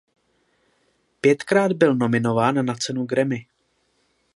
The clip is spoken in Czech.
Pětkrát byl nominován na cenu Grammy.